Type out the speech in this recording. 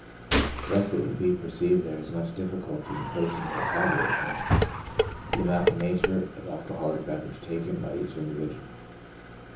Thus it will be perceived there is much difficulty in placing in a tabular form the amount and nature of alcoholic beverage taken by each individual.